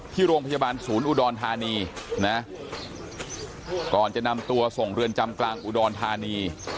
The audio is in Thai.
ที่โรงพยาบาลศูนย์อุดรธานีนะก่อนจะนำตัวส่งเรือนจำกลางอุดรธานี